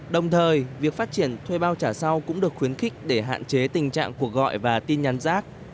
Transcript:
đồng thời việc phát triển thuê bao trả sau cũng được khuyến khích để hạn chế tình trạng cuộc gọi và tin nhắn rác